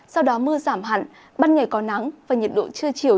sau đó mưa giảm hẳn ban ngày có nắng và nhiệt độ trưa chiều